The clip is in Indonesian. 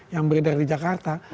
yang berada di jakarta